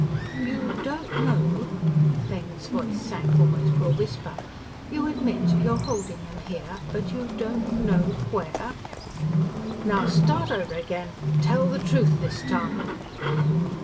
"You don't know." Fane's voice sank almost to a whisper. "You admit you're holding them here, but you ... don't ... know ... where. _Now start over again; tell the truth this time!